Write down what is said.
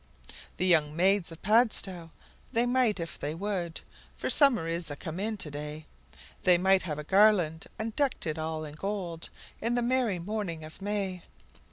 The young maids of Padstow, they might if they would For summer is a come in to day They might have a garland, and decked it all in gold, In the merry morning of May!